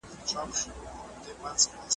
ته ولي سبزیجات تياروې